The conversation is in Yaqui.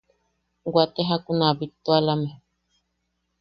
Waate jakun a bittualame.